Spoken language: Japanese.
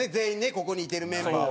ここにいてるメンバーは。